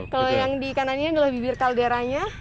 kalau yang di kanannya adalah bibir kalderanya